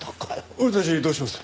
俺たちどうします？